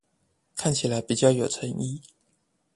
看起來比較有誠意